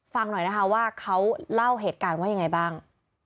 ฟังหน่อยนะคะว่าเขาเล่าเหตุการณ์ว่ายังไงบ้าง